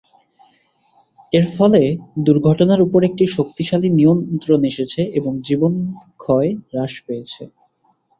এর ফলে দুর্ঘটনার উপর একটি শক্তিশালী নিয়ন্ত্রণ এসেছে এবং জীবনক্ষয় হ্রাস পেয়েছে।